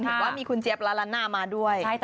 เห็นว่ามีคุณเจี๊ยบละล้านนามาด้วย